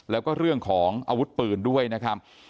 แล้วก็เรื่องของอาวุธปืนด้วยนะครับ